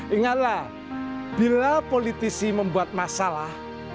ingatlah bila politisi membuat masalah